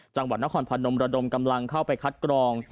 จังหวัดนครพนมระดมกำลังเข้าไปคัดกรอง